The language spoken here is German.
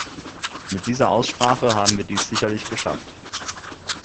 Mit dieser Aussprache haben wir dies sicherlich geschafft.